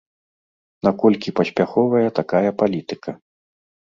Наколькі паспяховая такая палітыка?